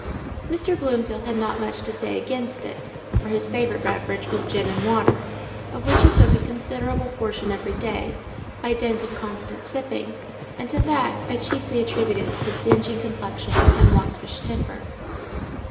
Mr. Bloomfield had not much to say against it, for his favourite beverage was gin and water; of which he took a considerable portion every day, by dint of constant sipping—and to that I chiefly attributed his dingy complexion and waspish temper.